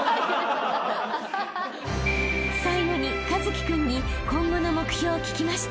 ［最後に一輝君に今後の目標を聞きました］